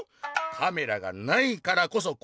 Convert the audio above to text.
「カメラがないからこそこうつごう！